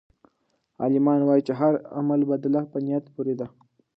عالمان وایي چې د هر عمل بدله په نیت پورې ده.